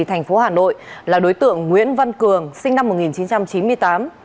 thành phố hà nội là đối tượng nguyễn văn cường sinh năm một nghìn chín trăm chín mươi tám